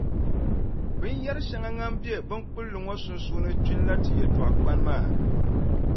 Binyɛrʼ shɛŋa ŋan be binkpulli ŋɔ sunsuuni kpinila ti yɛltɔɣikpani maa.